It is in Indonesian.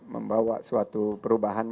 membawa suatu perubahan